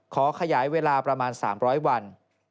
ขยายเวลาประมาณ๓๐๐วัน